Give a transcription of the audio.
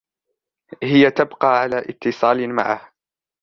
هي تبقى على إتصال معه.